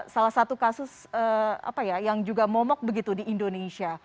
salah satu kasus yang juga momok begitu di indonesia